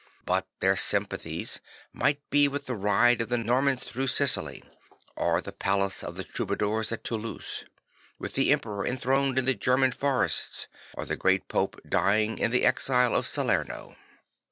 But their sympathies might be with the ride of the Normans through Sicily or the palace of the Troubadours at Toulouse; ith the Emperor throned in the German forests or the great Pope dying in the exile of Salerno.